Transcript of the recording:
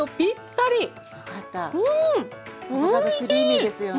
アボカドクリーミーですよね。